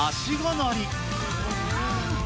乗り。